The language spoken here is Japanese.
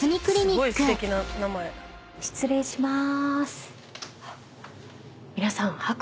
失礼しまーす。